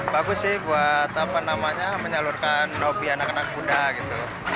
bagus sih buat menyalurkan hobi anak anak muda gitu